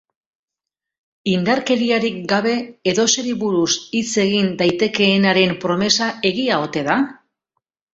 Indarkeriarik gabe edozeri buruz hitz egin daitekeenaren promesa egia ote da?